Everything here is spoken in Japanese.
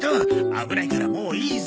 危ないからもういいぞ。